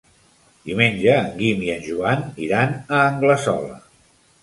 Diumenge en Guim i en Joan iran a Anglesola.